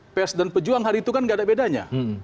karena pers dan pejuang hari itu kan gak ada bedanya